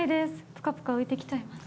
プカプカ浮いてきちゃいます。